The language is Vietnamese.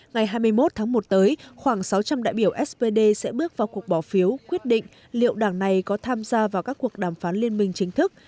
ngày hai mươi một tháng một tới khoảng sáu trăm linh đại biểu spd sẽ bước vào cuộc bỏ phiếu quyết định liệu đảng này có tham gia vào các cuộc đàm phán liên minh chính thức